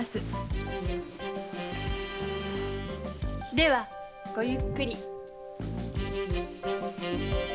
ではごゆっくり。